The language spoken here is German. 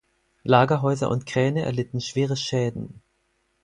Lagerhäuser und Kräne erlitten schwere Schäden.